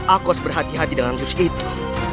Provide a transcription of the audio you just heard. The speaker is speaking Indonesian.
aku harus berhati hati dengan jurus itu